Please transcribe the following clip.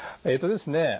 えっとですね